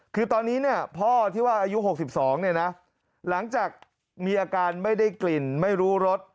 คือตอนนี้เนี่ยพ่อที่ว่าอายุ๖๒เนี่ยนะหลังจากมีอาการไม่ได้กลิ่นไม่รู้รส